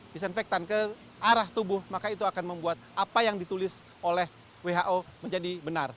disinfektan ke arah tubuh maka itu akan membuat apa yang ditulis oleh who menjadi benar